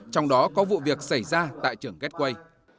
trong đó có vụ việc xảy ra tại trường gateway